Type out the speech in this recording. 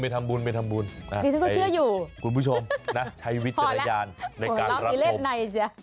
นี่ฉันก็เชื่ออยู่คุณผู้ชมนะใช้วิทยาลายานในการรับสมพอแล้วโหรอบอีเล็ดในจ๊ะ